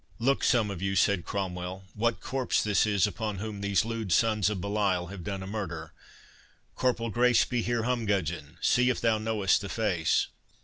"Look, some of you," said Cromwell, "what corpse this is upon whom these lewd sons of Belial have done a murder—Corporal Grace be here Humgudgeon, see if thou knowest the face."